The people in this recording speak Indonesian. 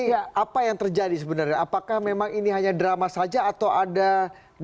merupakan intifada oleh parti bahaya yang sudah menggabungkan laporan kebahagiaan dan sharing